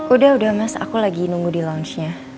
udah udah mas aku lagi nunggu di launch nya